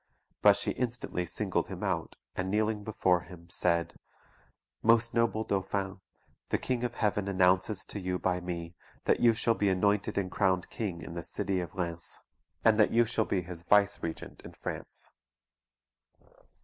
But she instantly singled him out, and kneeling before him, said, "Most noble Dauphin, the King of Heaven announces to you by me, that you shall be anointed and crowned king in the city of Rheims, and that you shall be His viceregent in France."